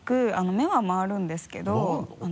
目は回るんですけど回るの？